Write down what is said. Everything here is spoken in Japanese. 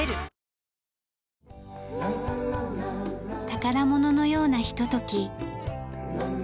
宝物のようなひととき。